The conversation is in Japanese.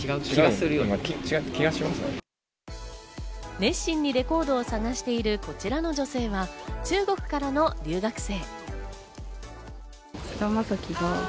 熱心にレコードを探しているこちらの女性は、中国からの留学生。